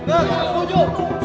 neng aku setuju